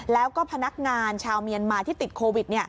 แล้วก็พนักงานชาวเมียนมาที่ติดโควิด